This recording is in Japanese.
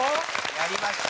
やりました。